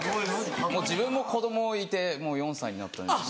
もう自分も子供いてもう４歳になったんですよ。